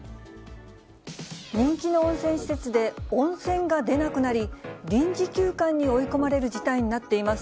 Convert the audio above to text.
人気の温泉施設で、温泉が出なくなり、臨時休館に追い込まれる事態になっています。